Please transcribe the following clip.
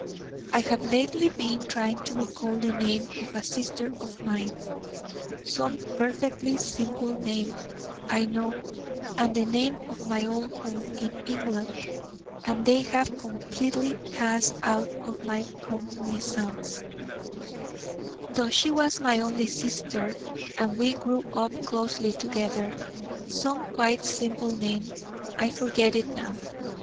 I have lately been trying to recall the name of a sister of mine some perfectly simple name, I know and the name of my old home in England: and they have completely passed out of my cognizance, though she was my only sister, and we grew up closely together: some quite simple name, I forget it now.